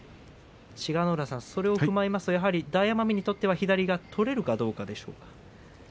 千賀ノ浦さん、それを踏まえますとやはり大奄美にとっては左が取れるかどうかでしょうか。